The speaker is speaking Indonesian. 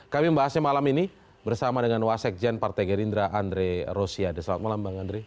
kami membahasnya malam ini bersama dengan wasekjen partai gerindra andre rosiade selamat malam bang andre